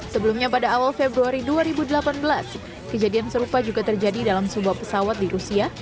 sebelumnya pada awal februari dua ribu delapan belas kejadian serupa juga terjadi dalam sebuah pesawat di rusia